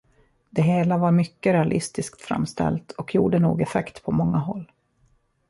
Det hela var mycket realistiskt framställt och gjorde nog effekt på många håll.